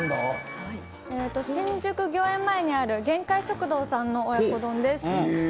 新宿御苑前にあるげんかい食堂さんの親子丼です。